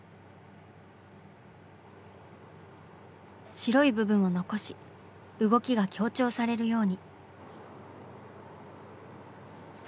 白い部分を残し動きが強調されるように。